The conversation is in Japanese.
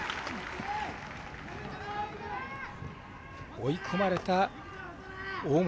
追い込まれた、大森。